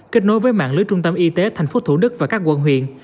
kết nối với mạng lưới trung tâm y tế tp thủ đức và các quận huyện